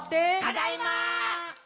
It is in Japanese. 「ただいま！」